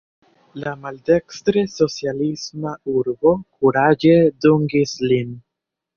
La maldekstre socialisma urbo kuraĝe dungis lin.